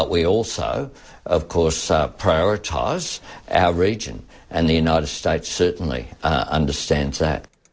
dan juga berhasil mengembalikan yang lebih baik